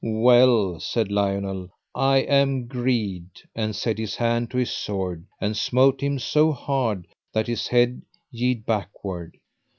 Well, said Lionel, I am greed; and set his hand to his sword and smote him so hard that his head yede backward.